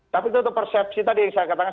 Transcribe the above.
tapi itu untuk persepsi tadi yang saya katakan